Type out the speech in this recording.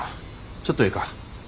ちょっとええか。